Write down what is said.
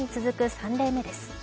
３例目です。